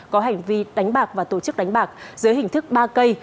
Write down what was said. có hành vi đánh bạc và tổ chức đánh bạc dưới hình thức ba cây